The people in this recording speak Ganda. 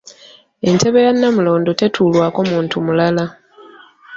Entebe ya Nnamulondo tetuulwako muntu mulala.